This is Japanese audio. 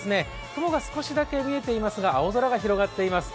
雲が少しだけ見えていますが、青空が広がっています。